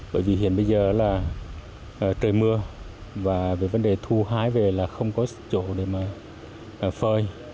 bởi vì hiện bây giờ là trời mưa và về vấn đề thu hái về là không có chỗ để mà phơi